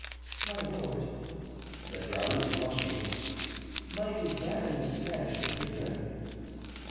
"My lord," said Raoul, blushing, "might examine the Spanish prisoner."